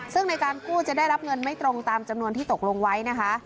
ซึ่งในการกู้จะได้รับเงินไม่ตรงตามจำนวนที่ตกลงไว้นะคะ